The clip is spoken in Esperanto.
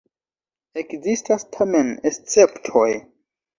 Ekzistas tamen esceptoj.